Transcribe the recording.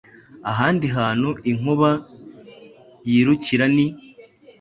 ahandi hantu inkuba yirukira ni